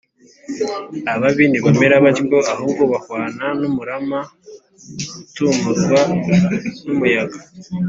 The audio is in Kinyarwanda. Ababi ntibamera batyo, Ahubwo bahwana n’umurama utumurwa n’umuyaga.